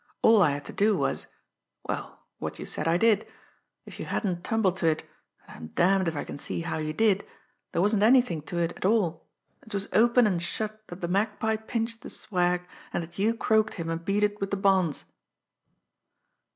All I had to do was well, what you said I did. If you hadn't tumbled to it, and I'm damned if I can see how you did, there wasn't anything to it at all. It was open and shut that the Magpie pinched the swag, and that you croaked him and beat it with the bonds."